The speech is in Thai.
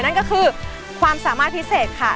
นั่นก็คือความสามารถพิเศษค่ะ